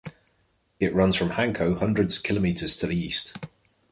It runs from Hanko hundreds of kilometers to the east.